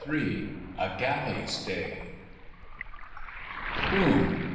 * *A GALLEY'S DAY.* Boom!